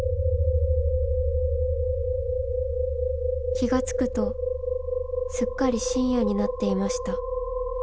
［気が付くとすっかり深夜になっていました］